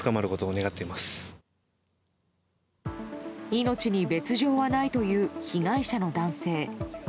命に別条はないという被害者の男性。